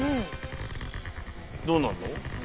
どうなんの？